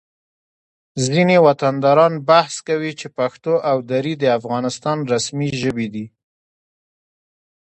ځینې وطنداران بحث کوي چې پښتو او دري د افغانستان رسمي ژبې دي